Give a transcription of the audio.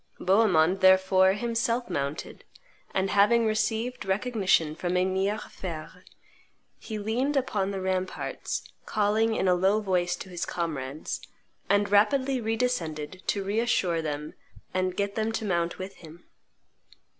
Bohemond, therefore, himself mounted; and, having received recognition from Emir Fein, he leaned upon the ramparts, called in a low voice to his comrades, and rapidly re descended to reassure them and get them to mount with him.